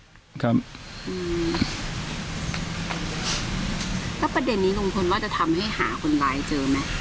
แล้วประเด็นนี้ลุงพลว่าจะทำให้หาคนร้ายเจอไหม